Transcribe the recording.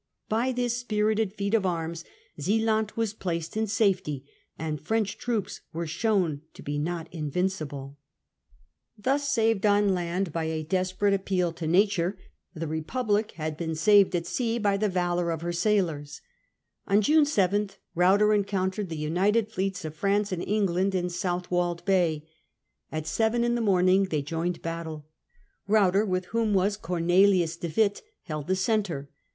By this spirited feat of arms Zealand was placed in safety, and French troops were shown to be not invincible. Thus saved on land by a desperate appeal to nature^ the Republic had been saved at sea by the valour of hex Naval sailors. On June 7 Ruyter encountered the of *1672 united fleets of France and England in South Battle of wold Bay. At seven in the morning they |outhw° ,d j 0 j ne( j b a tti e> Ruyter, with whom was Cor juue 7. nelius de Witt, led the centre.